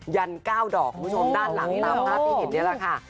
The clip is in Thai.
ยัน๙ดอกคุณผู้ชมด้านหลังตามภาพศิษย์นี้ละค่ะ